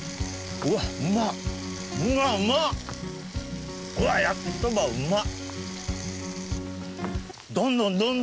うわっ焼きそばうまっ！